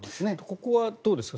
ここはどうですか。